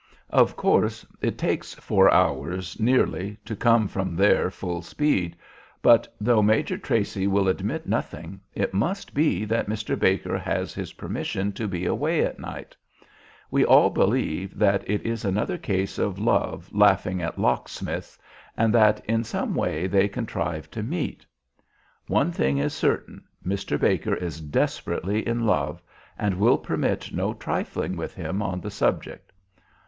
Of course it takes four hours, nearly, to come from there full speed, but though Major Tracy will admit nothing, it must be that Mr. Baker has his permission to be away at night. We all believe that it is another case of love laughing at locksmiths and that in some way they contrive to meet. One thing is certain, Mr. Baker is desperately in love and will permit no trifling with him on the subject."